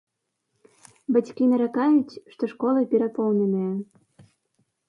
Бацькі наракаюць, што школы перапоўненыя.